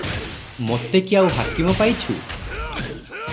ମୋତେ କି ଆଉ ହାକିମ ପାଇଛୁ?